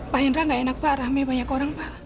pak hendra nggak enak pak rahmi banyak orang pak